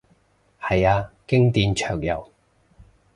係啊，經典桌遊